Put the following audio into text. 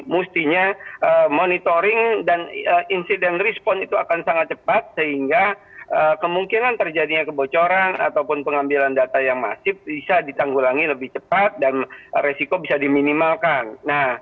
mustinya kita harus mencari data yang berfungsi atau tidak kalau ada tim cert seperti ini mustinya kita harus mencari data yang berfungsi atau tidak logikanya betul seperti pak ariyandi sebutkan kalau ada tim cert seperti ini mustinya